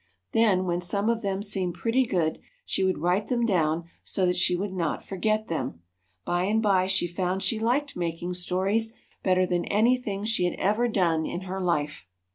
Then, when some of them seemed pretty good, she would write them down so that she would not forget them. By and by she found she liked making stories better than anything she had ever done in her life.